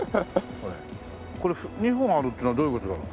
これ２本あるっていうのはどういう事だろう？